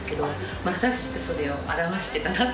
まさしくそれを表してたなと思いました。